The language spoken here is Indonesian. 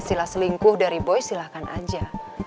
sila selingkuh dari boy silahkan aja